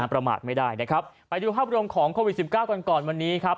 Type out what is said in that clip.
ประมาทไม่ได้นะครับไปดูภาพรวมของโควิด๑๙กันก่อนวันนี้ครับ